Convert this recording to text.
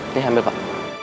ini ambil pak